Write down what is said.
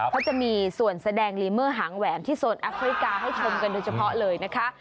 เขาจะมีส่วนแสดงลีเมอร์หางแหวนที่โซนแอฟริกาให้ชมกันโดยเฉพาะเลยนะคะ